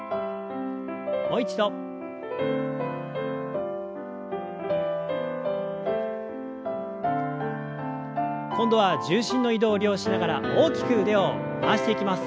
もう一度。今度は重心の移動を利用しながら大きく腕を回していきます。